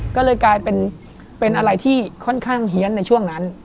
ก็เลยกลายเป็นอะไรที่ค่อนข้างเฮียนในช่วงนั้น